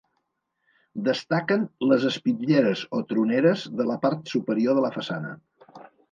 Destaquen les espitlleres o troneres de la part superior de la façana.